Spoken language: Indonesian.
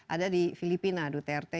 ada di filipina duterte